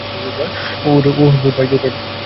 ওহ, ধুর, ভাই।